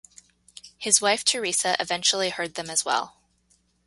His wife Theresa eventually heard them as well.